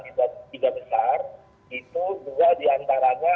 tidak besar itu juga diantaranya